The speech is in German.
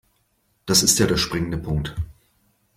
Das ist ja der springende Punkt.